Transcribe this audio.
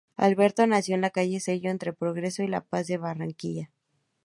Alberto nació en la calle Sello, entre Progreso y La Paz de Barranquilla.